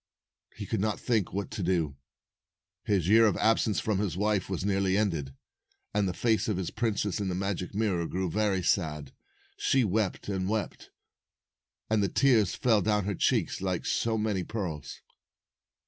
He could not think what to do. His year of absence from his wife was nearly ended, and the face of the princess in the magic mirror grew very sad. She wept and wept, and the tears fell down her cheeks like so many pearls.